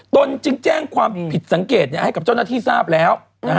ตนจึงแจ้งความผิดสังเกตให้กับเจ้าหน้าที่ทราบแล้ว